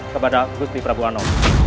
kepada gusti prabu ano